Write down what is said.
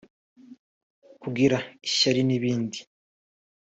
kugira ishyari n’ibindi